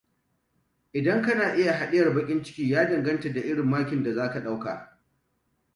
Idan kana haɗiyar baƙin ciki, ya danganta da irin makin da za ka ɗauka.